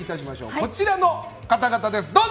こちらの方々です、どうぞ！